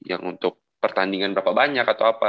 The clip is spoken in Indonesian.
yang untuk pertandingan berapa banyak atau apa